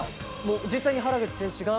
実際に原口選手が。